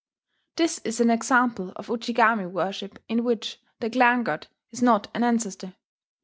This is an example of Ujigami worship in which the clan god is not an ancestor.